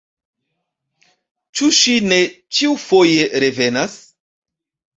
Ĉu ŝi ne ĉiufoje revenas?